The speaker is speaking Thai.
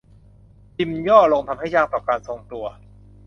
จิมย่อลงทำให้ยากต่อการทรงตัว